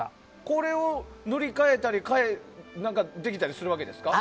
これを乗り換えたりできたりするわけですか？